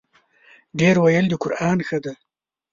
ډېر ویل د قران ښه دی.